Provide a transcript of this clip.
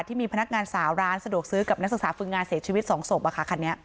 ที่มีพนักงานสาวร้านสะดวกซื้อกับนักศึกษาฝึกงานเสียชีวิต๒ศพคันนี้